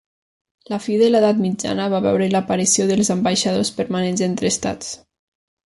La fi de l'edat mitjana va veure l'aparició dels ambaixadors permanents entre estats.